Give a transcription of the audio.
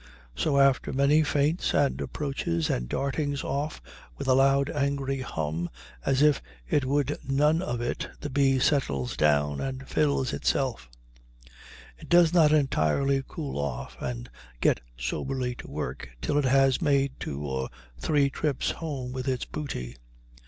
So after many feints and approaches and dartings off with a loud angry hum as if it would none of it, the bee settles down and fills itself. It does not entirely cool off and get soberly to work till it has made two or three trips home with its booty.